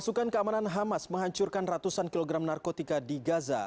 pasukan keamanan hamas menghancurkan ratusan kilogram narkotika di gaza